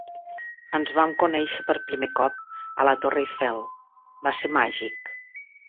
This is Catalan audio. Ens vam conèixer per primer cop a la Torre Eiffel, va ser màgic.